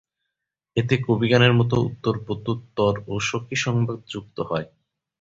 এতে কবিগানের মতো উত্তর-প্রত্যুত্তর ও সখীসংবাদ যুক্ত হয়।